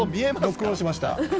ノックオンしました。